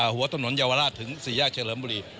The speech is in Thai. หัวถนนเยาวราชถึง๔แยกเฉลิมบุรี